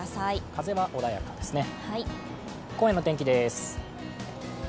風は穏やかですね。